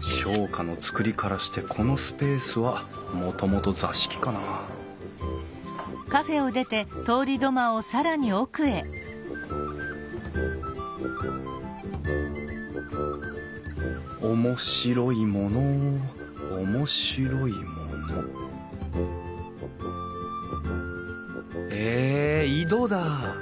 商家の造りからしてこのスペースはもともと座敷かな面白いもの面白いものえっ井戸だ！